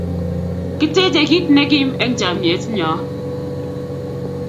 kiteje kit ne kim eng' chamiet nyo